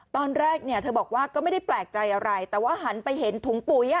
ตอนแรกเนี่ยเธอบอกว่าก็ไม่ได้แปลกใจอะไรแต่ว่าหันไปเห็นถุงปุ๋ย